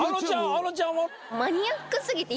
あのちゃんは？